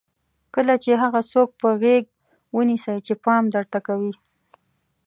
کله چې هغه څوک په غېږ ونیسئ چې پام درته کوي.